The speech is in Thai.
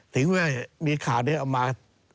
ถึงว่ามีข่าวนี้เอามา